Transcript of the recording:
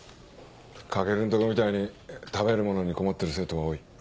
翔のとこみたいに食べるものに困ってる生徒は多い。